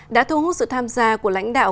đã thu hút sự tham gia của lãnh đạo